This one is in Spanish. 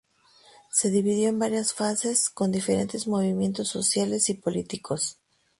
Se dividió en varias fases, con diferentes movimientos sociales y políticos.